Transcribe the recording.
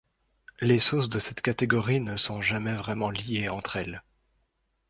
Les sauces de cette catégorie ne sont jamais vraiment liées entre elles.